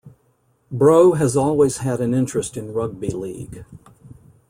Brough has always had an interest in rugby league.